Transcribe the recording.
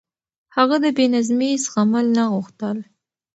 هغه د بې نظمي زغمل نه غوښتل.